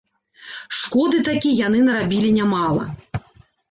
Шкоды такі яны нарабілі нямала.